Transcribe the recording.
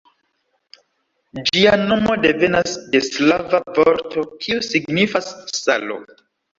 Ĝia nomo devenas de slava vorto, kiu signifas "salo".